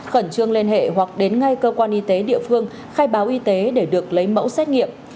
khẩn trương liên hệ hoặc đến ngay cơ quan y tế địa phương khai báo y tế để được lấy mẫu xét nghiệm